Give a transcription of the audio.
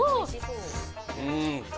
うん！